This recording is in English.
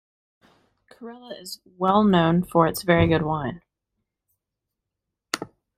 Corella is well known for its very good wine.